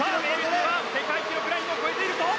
世界記録ラインを超えているぞ。